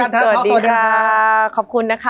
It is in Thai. มันทำให้ชีวิตผู้มันไปไม่รอด